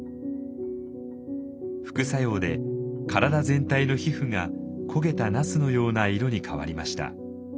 副作用で体全体の皮膚が焦げたナスのような色に変わりました。